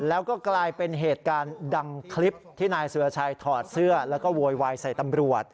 แล้วก็กลายเป็นเหตุการณ์ดังคลิปที่นายสุรชัยถอดเสื้อแล้วก็โวยวายใส่ตำรวจ